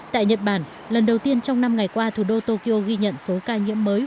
tại nhật bản lần đầu tiên trong năm ngày qua thủ đô tokyo ghi nhận số ca nhiễm mới